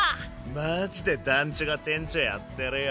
マジで団ちょが店ちょやってるよ。